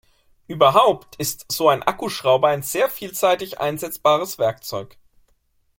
Überhaupt ist so ein Akkuschrauber ein sehr vielseitig einsetzbares Werkzeug.